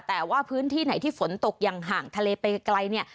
แต่ว่าพื้นที่ไหนที่ฝนตกอย่างห่างทะเลไปไกลเนี่ย